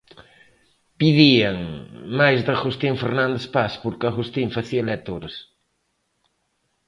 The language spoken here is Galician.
Pedían máis de Agustín Fernández Paz porque Agustín facía lectores.